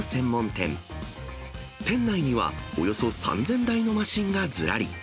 店内には、およそ３０００台のマシンがずらり。